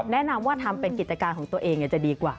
แนะนำว่าทำเป็นกิจการของตัวเองจะดีกว่า